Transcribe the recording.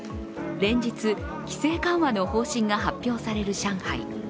連日、規制緩和の方針が発表される上海。